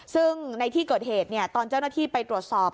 ซึ่งในที่เกิดเหตุตอนเจ้าหน้าที่ไปตรวจสอบ